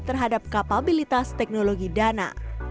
terhadap kapabilitas teknologi dana